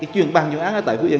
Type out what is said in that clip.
chuyên ban chuyên án ở tại phú yên